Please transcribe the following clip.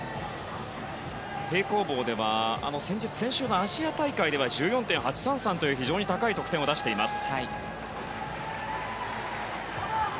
平行棒では先日、先週のアジア大会で１４．８３３という非常に高い得点を出しています。